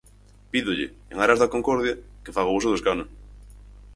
Pídolle, en aras da concordia, que faga uso do escano.